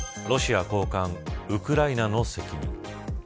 ロシア高官、ウクライナの責任。